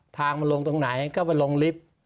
ทางมันลงตรงไหนก็ไปลงลิฟต์